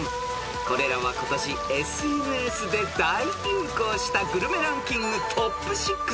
［これらは今年ＳＮＳで大流行したグルメランキングトップ６です］